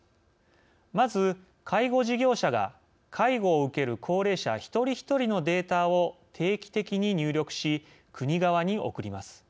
まず、介護事業者が介護を受ける高齢者一人一人のデータを定期的に入力し、国側に送ります。